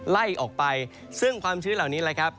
ไล่ออกไปซึ่งความชื้นเหล่านี้แหละครับ